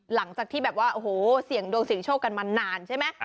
หลังจากที่แบบว่าโอ้โหเสี่ยงดวงเสี่ยงโชคกันมานานใช่ไหม